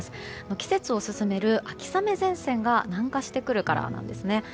季節を進める秋雨前線が南下してくるからなんですね。